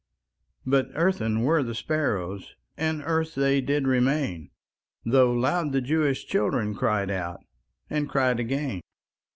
But earthen were the sparrows, And earth they did remain, Though loud the Jewish children Cried out, and cried again.